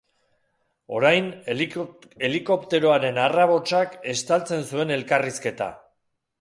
Orain helikopteroaren harrabotsak estaltzen zuen elkarrizketa.